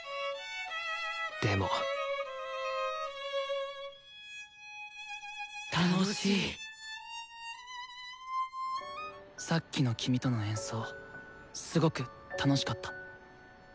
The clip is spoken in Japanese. でも楽しいさっきの君との演奏すごく楽しかった。